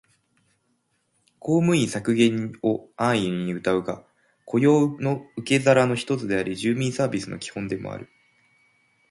公務員削減を安易にうたうが、雇用の受け皿の一つであり、住民サービスの基本でもある